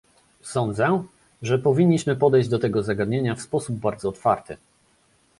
Sądzę, że powinniśmy podejść do tego zagadnienia w sposób bardzo otwarty